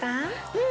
うん。